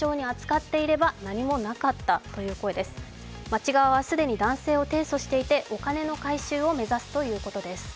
町側は既に男性を提訴していてお金の回収を目指すということです。